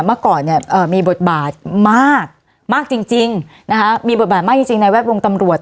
เมื่อก่อนเนี่ยมีบทบาทมากมากจริงนะคะมีบทบาทมากจริงในแวดวงตำรวจ